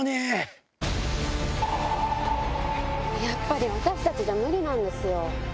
やっぱり私たちじゃ無理なんですよ。